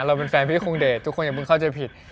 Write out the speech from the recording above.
เราเป็นแฟนพี่คงเดชทุกคนอย่าเพิ่งเข้าใจผิด